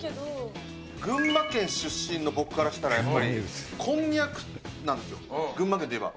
群馬県出身の僕からしたら、やっぱりこんにゃくなんですよ、群馬県といえば。